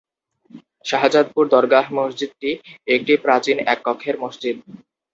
শাহজাদপুর দরগাহ মসজিদটি একটি প্রাচীন এক কক্ষের মসজিদ।